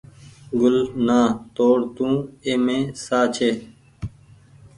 گل نآ توڙ تو اي مين ساه ڇي۔